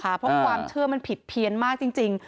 เพราะความเชื่อมันผิดเพี้ยนมากจริง